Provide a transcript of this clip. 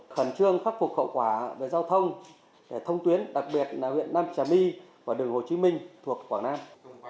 khẩn trương khắc phục khẩu quả về giao thông để thông tuyến đặc biệt là huyện nam trà my và đường hồ chí minh thuộc quảng nam